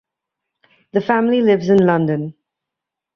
The family lives in London.